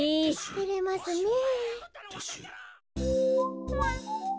てれますねえ。